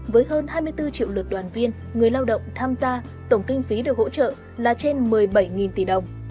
với hơn hai mươi bốn triệu lượt đoàn viên người lao động tham gia tổng kinh phí được hỗ trợ là trên một mươi bảy tỷ đồng